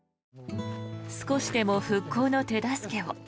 少しでも復興の手助けを。